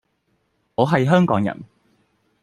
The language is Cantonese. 我係香港人